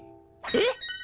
えっ！？